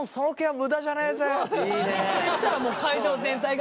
って言ったらもう会場全体が。